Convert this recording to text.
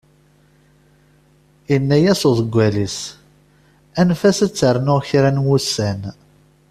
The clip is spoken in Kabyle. Yenna-as uḍeggal-is, anef-as ad ternu kra n wussan.